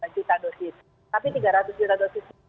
tapi tiga ratus juta dosis ini tidak akan datang